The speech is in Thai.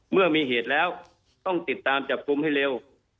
เมื่อมีเหตุแล้วต้องติดตามจับกลุ่มให้เร็ว